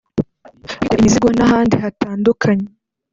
kwikorera imizigo n’ahandi hatandukanye